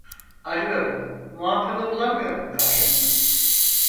Arıyorum muhatabı bulamıyorum karşımda